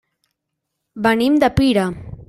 Venim de Pira.